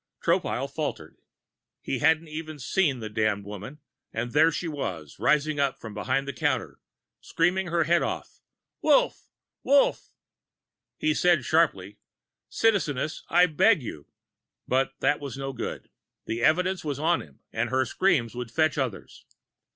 Tropile faltered. He hadn't even seen the damned woman, but there she was, rising up from behind the counter, screaming her head off: "Wolf! Wolf!" He said sharply: "Citizeness, I beg you " But that was no good. The evidence was on him and her screams would fetch others.